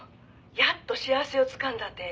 やっと幸せをつかんだって